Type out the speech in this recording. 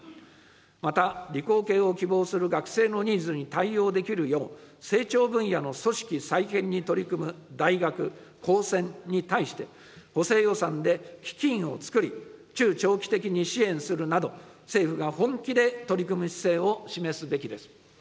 また、理工系を希望する学生のニーズに対応できるよう、成長分野の組織再編に取り組む大学・高専に対して、補正予算で基金を作り、中長期的に支援するなど、政府が本気で取り組む姿勢を示すべきです。